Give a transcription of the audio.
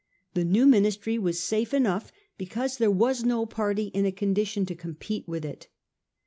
The new Ministry was safe enough, because there was no party in a condition to compete with it.